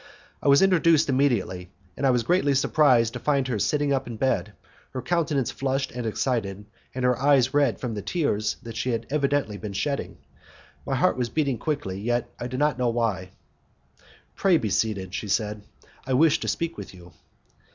I was introduced immediately, and I was greatly surprised to find her sitting up in bed, her countenance flushed and excited, and her eyes red from the tears she had evidently just been shedding. My heart was beating quickly, yet I did not know why. "Pray be seated," she said, "I wish to speak with you."